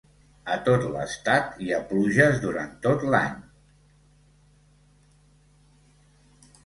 A tot l'estat hi ha pluges durant tot l'any.